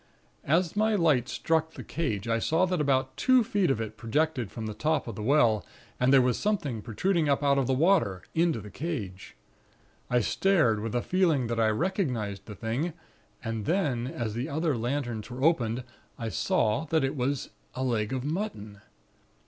"As my light struck the cage, I saw that about two feet of it projected from the top of the well, and there was something protruding up out of the water, into the cage. I stared, with a feeling that I recognized the thing; and then, as the other lanterns were opened, I saw that it was a leg of mutton.